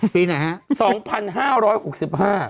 ปีไหนฮะ